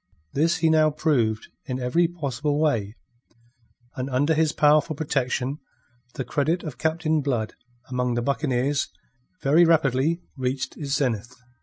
This he now proved in every possible way, and under his powerful protection the credit of Captain Blood among the buccaneers very rapidly reached its zenith.